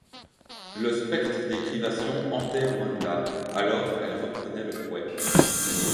Le spectre des privations hantait Wanda, alors elle reprenait le fouet.